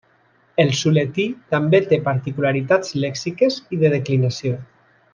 El suletí també té particularitats lèxiques i de declinació.